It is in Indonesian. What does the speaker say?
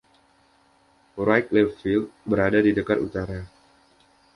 Wrigley Field berada di dekat utara.